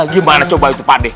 gimana coba itu pak d